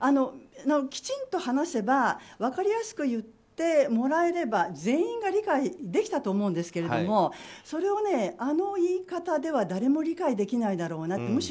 きちんと話せば分かりやすく言ってもらえれば全員が理解できたと思うんですけどそれをあの言い方では誰も理解できないだろうなと。